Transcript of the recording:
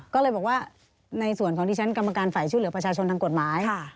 ก็เลยบอกว่าในส่วนของดิฉันกรรมการฝ่ายช่วยเหลือประชาชนทางกฎหมาย